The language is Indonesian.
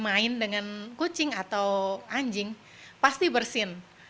main dengan kucing atau anjing pasti bersin